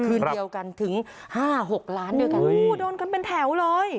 ครึ่งเดียวกันถึงห้าหกล้านเดียวกันโอ้โฮโดนกันเป็นแถวเลย